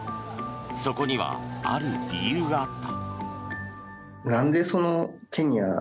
そこにはある理由があった。